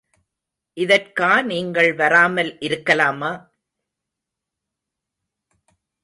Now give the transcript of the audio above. இதற்கா நீங்கள் வராமல் இருக்கலாமா?